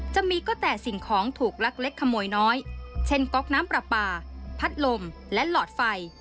จะมีก็แต่สิ่งของถูกลักเล็กขโมยน้อยเช่นก๊อกน้ำปลาปลาพัดลมและหลอดไฟ